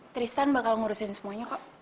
tristan bakal ngurusin semuanya kok